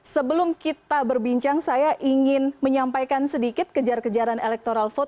sebelum kita berbincang saya ingin menyampaikan sedikit kejar kejaran electoral vote